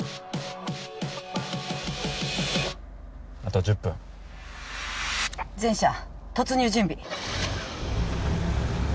あと１０分全車突入準備